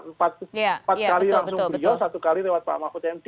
empat kali langsung beliau satu kali lewat pak mahfud md